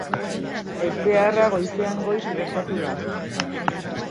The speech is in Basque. Ezbeharra goizean goiz gertatu da.